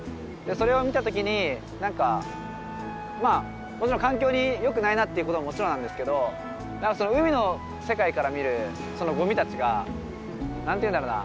それを見たときになんかもちろん環境に良くないなっていうことはもちろんなんですけど海の世界から見るごみたちがなんていうんだろうな。